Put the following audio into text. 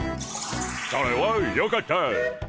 それはよかった。